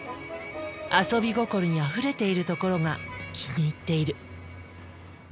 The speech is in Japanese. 遊び心にあふれているところが気に入っている。